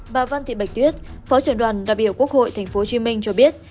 bà văn thị bạch tuyết phó trưởng đoàn đặc biểu quốc hội thành phố hồ chí minh cho biết